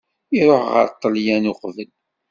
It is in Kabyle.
Iruḥ ɣer Ṭṭelyan uqbel.